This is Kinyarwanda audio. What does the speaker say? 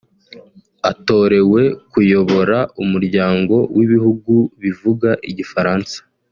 atorewe kuyobora Umuryango w’Ibihugu bivuga Igifaransa